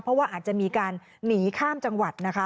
เพราะว่าอาจจะมีการหนีข้ามจังหวัดนะคะ